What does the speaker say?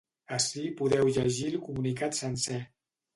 Ací podeu llegir el comunicat sencer.